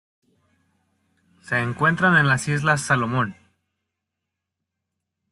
Se encuentran en las Islas Salomón.